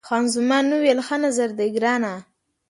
خان زمان وویل، ښه نظر دی ګرانه.